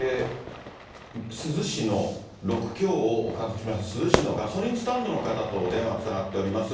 珠洲市の６強を観測しました、珠洲市のガソリンスタンドの方とお電話がつながっております。